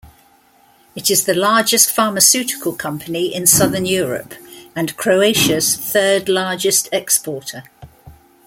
It is the largest pharmaceutical company in Southern Europe, and Croatia's third largest exporter.